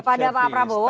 kepada pak prabowo